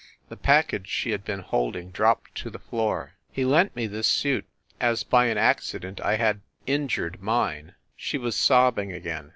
The package she had been holding dropped to the floor. "He lent me this suit as by an accident I had injured mine." She was sobbing again.